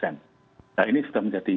nah ini sudah menjadi